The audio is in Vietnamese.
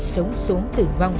sống xuống tử vong